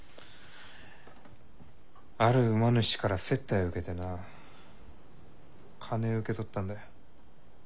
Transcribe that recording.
ある馬主から接待を受けてな金を受け取ったんだよ。